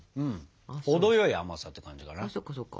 程よい甘さって感じかな。